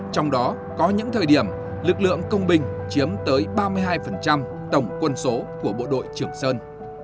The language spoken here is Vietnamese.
trong đó có những thời điểm lực lượng công binh chiếm tới ba mươi hai tổng quân số của bộ đội trường sơn